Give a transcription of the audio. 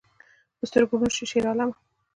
په سترګو ړوند شې شیرعالمه